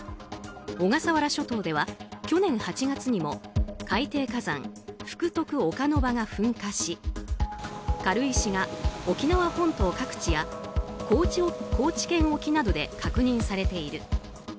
小笠原諸島では去年８月にも海底火山、福徳岡ノ場が噴火し軽石が沖縄本島各地や高知県沖などで確認されている。